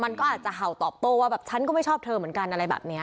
มันก็อาจจะเห่าตอบโต้ว่าแบบฉันก็ไม่ชอบเธอเหมือนกันอะไรแบบนี้